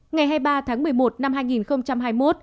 ngày hai mươi ba tháng một mươi một năm hai nghìn hai mươi một